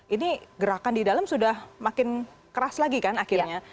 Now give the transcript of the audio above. ini gerakan di dalam sudah makin keras lagi kan akhirnya